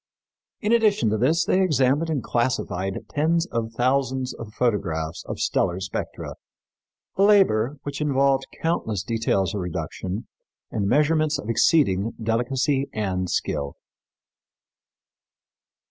In addition to this they examined and classified tens of thousands of photographs of stellar spectra, a labor which involved countless details of reduction and measurements of exceeding delicacy and skill.